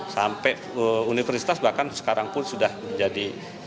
sampai universitas bahkan sekarang pun sudah menjadi